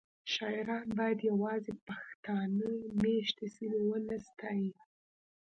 شاعران باید یوازې پښتانه میشتې سیمې ونه ستایي